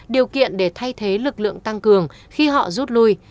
điều kiện để thay thế lực lượng tăng cường khi họ rút lui